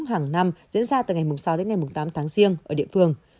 hàng năm diễn ra từ ngày sáu đến ngày tám tháng riêng ở địa phương